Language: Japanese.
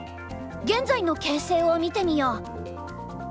現在の形勢を見てみよう。